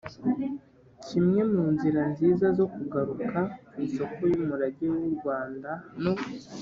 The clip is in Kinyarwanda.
nk’imwe mu nzira nziza zo kugaruka ku isoko y’umurage w’u Rwanda no